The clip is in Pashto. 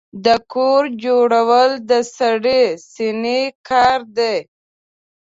د کور جوړول د سړې سينې کار دی.